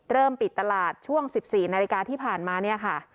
ปิดตลาดช่วง๑๔นาฬิกาที่ผ่านมาเนี่ยค่ะ